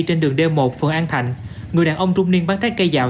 trên đường d một phường an thạnh người đàn ông trung niên bán trái cây dạo